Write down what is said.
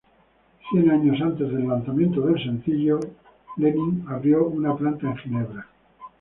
Cien años antes del lanzamiento del sencillo, Lenin abrió una planta en Ginebra.